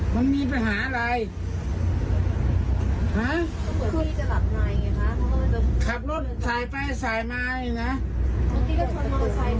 เมื่อกี้ก็ชนมอเตอร์ไซด์ไป